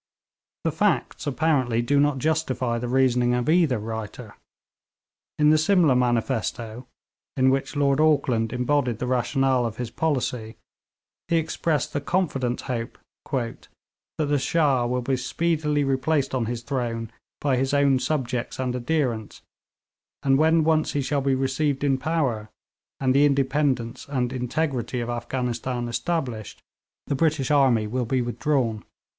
The facts apparently do not justify the reasoning of either writer. In the Simla manifesto, in which Lord Auckland embodied the rationale of his policy, he expressed the confident hope 'that the Shah will be speedily replaced on his throne by his own subjects and adherents, and when once he shall be received in power, and the independence and integrity of Afghanistan established, the British army will be withdrawn.'